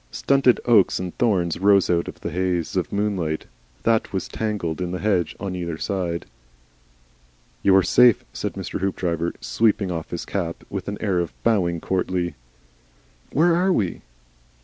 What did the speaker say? Stunted oaks and thorns rose out of the haze of moonlight that was tangled in the hedge on either side. "You are safe," said Mr. Hoopdriver, sweeping off his cap with an air and bowing courtly. "Where are we?"